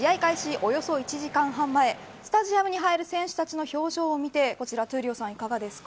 およそ１時間半前スタジアムに入る選手たちの表情を見て闘莉王さんいかがですか。